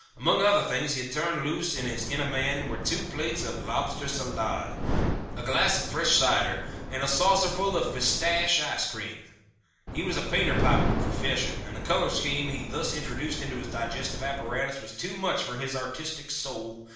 Among other things that he turned loose in his inner man were two plates of Lobster Salade, a glass of fresh cider and a saucerful of pistache ice cream. He was a painter by profession and the color scheme he thus introduced into his digestive apparatus was too much for his artistic soul.